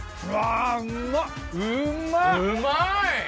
うまい！